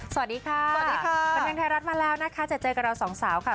สวัสดีค่ะเป็นแพรงไทยรัฐมาแล้วนะคะจะเจอกันเราสองสาวค่ะ